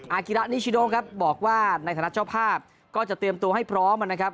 อาคีระบอกว่าในฐานะเจ้าภาพก็จะเตรียมตัวให้พร้อมนะครับ